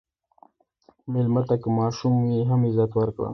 مېلمه ته که ماشوم وي، هم عزت ورکړه.